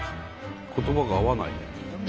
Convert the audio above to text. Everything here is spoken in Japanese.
言葉が合わないね。